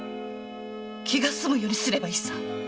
気が済むようにすればいいさ！